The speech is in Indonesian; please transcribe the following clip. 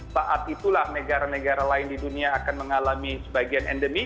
saat itulah negara negara lain di dunia akan mengalami sebagian endemi